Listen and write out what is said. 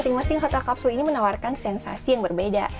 masing masing hotel kapsu ini menawarkan sensasi yang berbeda